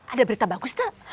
ada berita bagus cek